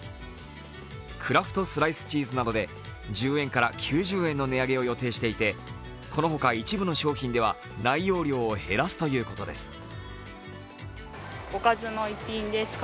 クラフトスライスチーズなどで１０円から９０円の値上げを予定していてこの他一部の商品では内容量を減らすということです。